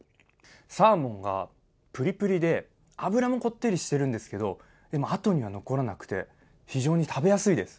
サーモンがプリプリで脂もこってりしてるんですけどでもあとには残らなくて非常に食べやすいです。